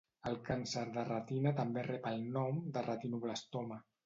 El càncer de retina també rep el nom de retinoblastoma.